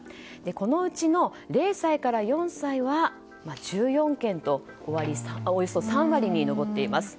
このうちの０歳から４歳は１４件とおよそ３割に上っています。